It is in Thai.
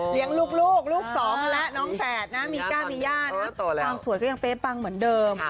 ลูกลูกสองกันแล้วน้องแฝดนะมีก้ามีย่านะความสวยก็ยังเป๊ะปังเหมือนเดิม